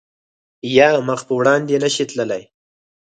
یا مخ په وړاندې نه شی تللی